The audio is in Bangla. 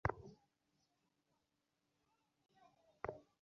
আমার স্বামীও আমাকে একদিন তাহাই বুঝাইয়া বলিলেন।